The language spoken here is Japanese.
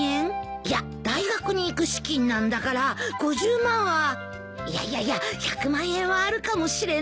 いや大学に行く資金なんだから５０万はいやいやいや１００万円はあるかもしれない。